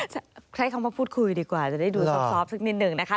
ใช้คำว่าพูดคุยดีกว่าจะได้ดูซอฟสักนิดหนึ่งนะคะ